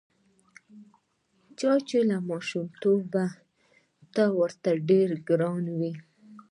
چا چې له ماشومتوبه ته ورته ډېر ګران وې.